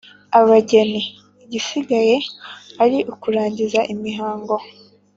abageni, igisigaye ari ukurangiza imihango